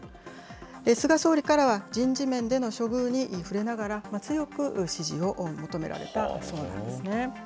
菅総理からは人事面での処遇に触れながら、強く支持を求められたそうなんですね。